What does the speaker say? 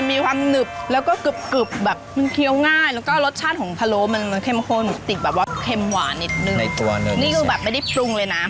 มันจากแดดเสร็จมันดำมันก็เลยกลายเป็นหมูดำไงคูโลฟูตา